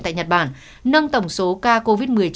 tại nhật bản nâng tổng số ca covid một mươi chín